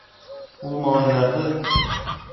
Ул малайҙарҙы: